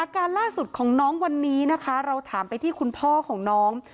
การล่าสุดของน้องวันนี้นะคะเราถามไปที่คุณพ่อของน้อง